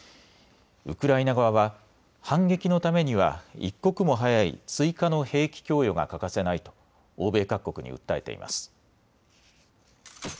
ウクライナ側は反撃のためには一刻も早い追加の兵器供与が欠かせないと欧米各国に訴えています。